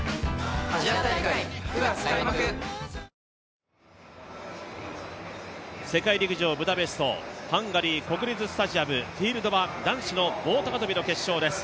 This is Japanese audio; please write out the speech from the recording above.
続く世界陸上ブダペストハンガリー国立スタジアムフィールドは男子の棒高跳の決勝です。